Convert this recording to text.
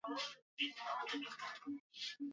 Akageuka nyuma akalenga zile kamera mbili za usalama